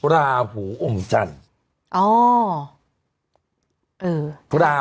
ราหูอมจันทร์